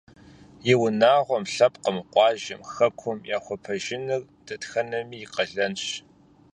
И унагъуэм, лъэпкъым, къуажэм, хэкум яхуэпэжыныр дэтхэнэми и къалэнщ.